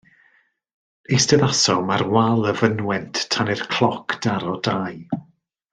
Eisteddasom ar wal y fynwent tan i'r cloc daro dau.